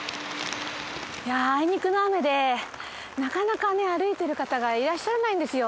あいにくの雨でなかなかね歩いてる方がいらっしゃらないんですよ。